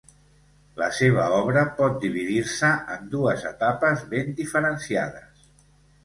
La seva obra pot dividir-se en dues etapes ben diferenciades.